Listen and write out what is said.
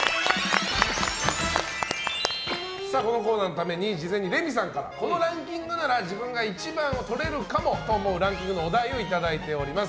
このコーナーのために事前にレミさんからこのランキングなら自分が１番をとれるかもというランキングのお題をいただいております。